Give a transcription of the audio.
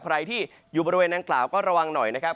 ใครที่อยู่บริเวณนางกล่าวก็ระวังหน่อยนะครับ